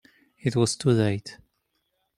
It was too late.